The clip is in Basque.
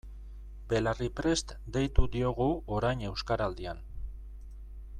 Belarriprest deitu diogu orain Euskaraldian.